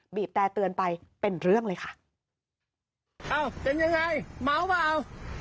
บแต่เตือนไปเป็นเรื่องเลยค่ะอ้าวเป็นยังไงเมาเปล่า